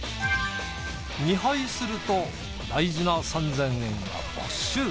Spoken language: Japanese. ２敗すると大事な３，０００円は没収。